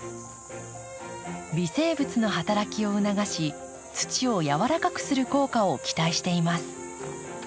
微生物の働きを促し土をやわらかくする効果を期待しています。